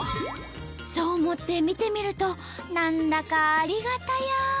そう思って見てみると何だかありがたや。